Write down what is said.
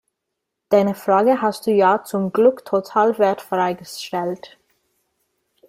Deine Frage hast du ja zum Glück total wertfrei gestellt.